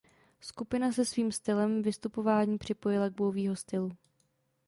Skupina se svým stylem vystupování připojila k Bowieho stylu.